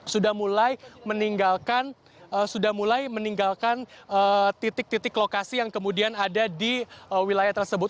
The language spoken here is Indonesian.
sudah mulai meninggalkan titik titik lokasi yang kemudian ada di wilayah tersebut